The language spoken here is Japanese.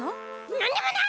なんでもない！